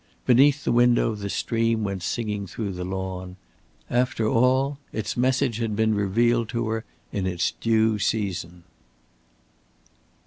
Beneath the window the stream went singing through the lawn. After all, its message had been revealed to her in its due season.